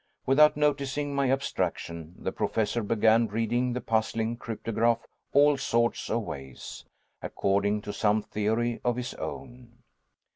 Without noticing my abstraction, the Professor began reading the puzzling cryptograph all sorts of ways, according to some theory of his own.